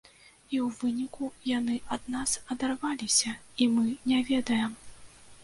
І ў выніку яны ад нас адарваліся, і мы не ведаем.